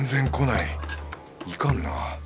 いかんな。